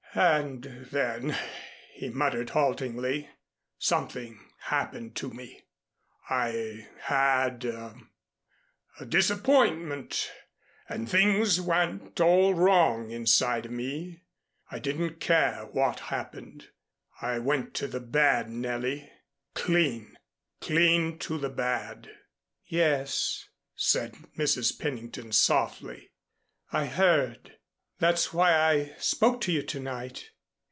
"And then," he muttered haltingly, "something happened to me I had a a disappointment and things went all wrong inside of me I didn't care what happened. I went to the bad, Nellie, clean clean to the bad " "Yes," said Mrs. Pennington softly, "I heard. That's why I spoke to you to night.